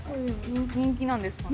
人気なんですかね？